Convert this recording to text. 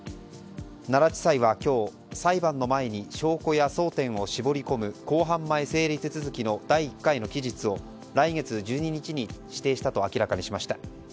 奈良地裁は今日、裁判の前に証拠や争点を絞り込む公判前整理手続きの第１回の期日を来月１２日に指定したと明らかにしました。